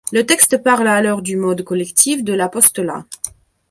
Le texte parle alors du mode collectif de l’apostolat.